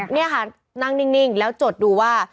นี่ค่ะนั่งนิ่งแล้วจดดูว่า